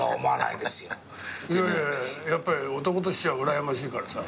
いやいややっぱり男としちゃうらやましいからさ。